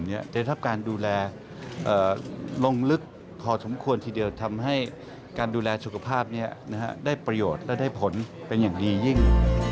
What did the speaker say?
ได้รับการดูแลลงลึกพอสมควรทีเดียวทำให้การดูแลสุขภาพนี้ได้ประโยชน์และได้ผลเป็นอย่างดียิ่ง